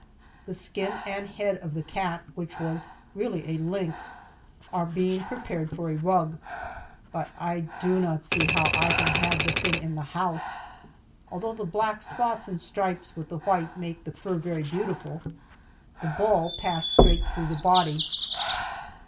The skin and head of the cat, which was really a lynx, are being prepared for a rug, but I do not see how I can have the thing in the house, although the black spots and stripes with the white make the fur very beautiful. The ball passed straight through the body.